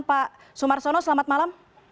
pak sumarsono selamat malam